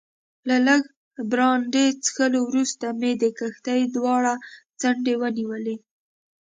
له لږ برانډي څښلو وروسته مې د کښتۍ دواړې څنډې ونیولې.